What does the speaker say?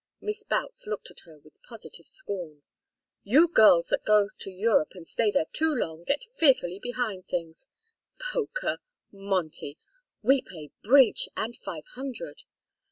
Miss Boutts looked at her with positive scorn. "You girls that go to Europe and stay there too long get fearfully behind things. Poker! Monte! We play bridge and five hundred."